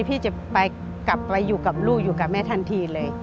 พี่จะไปกลับไปอยู่กับลูกอยู่กับแม่ทันทีเลย